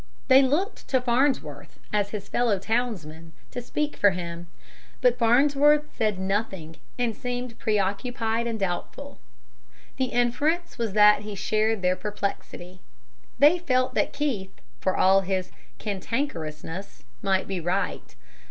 They looked to Farnsworth as his fellow townsman to speak for him; but Farnsworth said nothing, and seemed preoccupied and doubtful. The inference was that he shared their perplexity. They felt that Keith, for all his "cantankerousness," might be right.